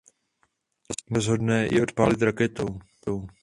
Město se rozhodne jí odpálit raketou.